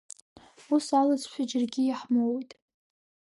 Ус алыҵшәа џьаргьы иаҳмоуит.